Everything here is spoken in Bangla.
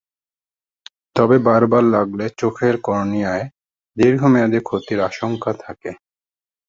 তবে বারবার লাগলে চোখের কর্নিয়ায় দীর্ঘমেয়াদে ক্ষতির আশঙ্কা থাকে।